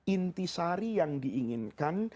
intisari yang diinginkan